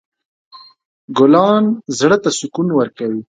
ګلان زړه ته سکون ورکوي.